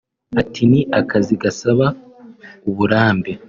Ati”Ni akazi gasaba uburambe